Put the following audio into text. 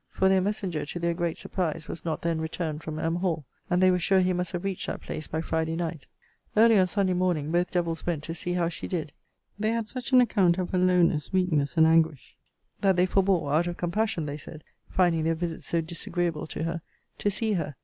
For their messenger, to their great surprise, was not then returned from M. Hall. And they were sure he must have reached that place by Friday night. Early on Sunday morning, both devils went to see how she did. They had such an account of her weakness, lowness, and anguish, that they forebore (out of compassion, they said, finding their visits so disagreeable to her) to see her.